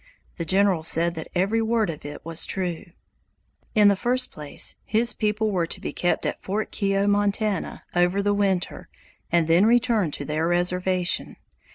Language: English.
The General said that every word of it was true. In the first place, his people were to be kept at Fort Keogh, Montana, over the winter and then returned to their reservation.